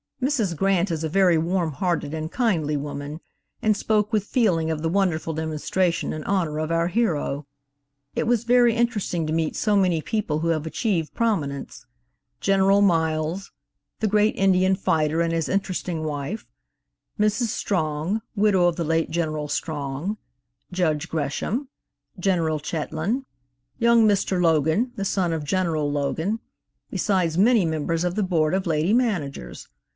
Mrs. Grant is a very warm hearted and kindly woman, and spoke with feeling of the wonderful demonstration in honor of our hero. It was very interesting to meet so many people who have achieved prominence. General Miles, the great Indian fighter, and his interesting wife; Mrs. Strong, widow of the late Gen. Strong; Judge Gresham, Gen. Chetlain, young Mr. Logan, the son of Gen. Logan, besides many members of the Board of Lady Managers.